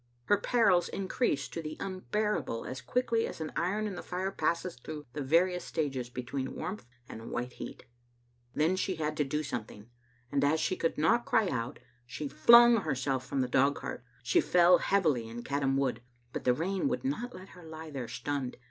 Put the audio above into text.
Her perils increased to the unbearable as quickly as an iron in the fire passes through the various stages between warmth and white heat. Then she had to do something ; and as she could not cry out, she flung herself from the dogcart. She fell heavily in Caddam Wood, but the rain would not let her lie there stunned.